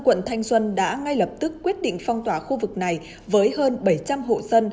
quận thanh xuân đã ngay lập tức quyết định phong tỏa khu vực này với hơn bảy trăm linh hộ dân